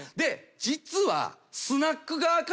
実は。